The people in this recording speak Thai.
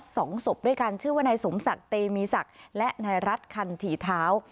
สองศพด้วยกันชื่อว่านายสมศักดิ์เตมีศักดิ์และนายรัฐคันถี่เท้า